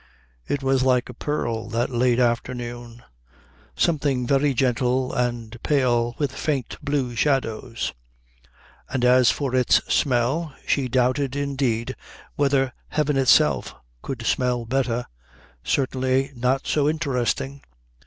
It was like a pearl that late afternoon, something very gentle and pale, with faint blue shadows. And as for its smell, she doubted, indeed, whether heaven itself could smell better, certainly not so interesting.